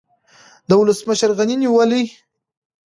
د ولسمشر غني نیولې